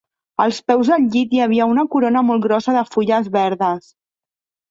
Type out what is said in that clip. Als peus del llit hi havia una corona molt grossa de fulles verdes